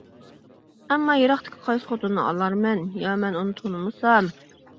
ئەمما يىراقتىكى قايسى خوتۇننى ئالارمەن؟ يا مەن ئۇنى تونۇمىسام!